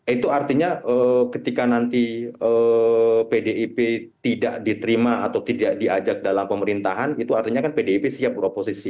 itu artinya ketika nanti pdip tidak diterima atau tidak diajak dalam pemerintahan itu artinya kan pdip siap beroposisi